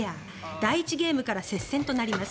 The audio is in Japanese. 第１ゲームから接戦となります。